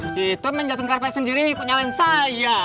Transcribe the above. si itu main jatuh karpet sendiri ikut nyalain saya